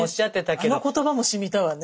ああねっあの言葉もしみたわね。